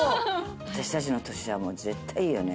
私たちの年じゃ絶対いいよね。